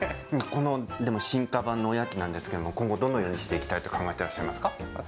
進化版のおやきなんですけれど今後どのようにしていきたいと考えていらっしゃいますか？